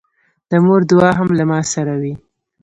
د مور دعا هم له ما سره وي.